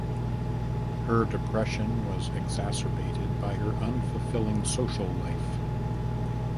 Her depression was exacerbated by her unfulfilling social life.